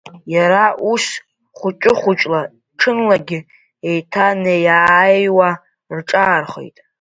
Иара ус хәыҷы-хәыҷла ҽынлагьы еиҭанеиааиуа рҿаархеит.